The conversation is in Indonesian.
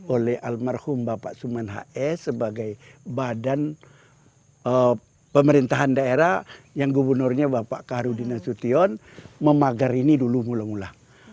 oleh almarhum bapak suman hs sebagai badan pemerintahan daerah yang gubernurnya bapak kaharudin nasution memagar ini dulu mula mula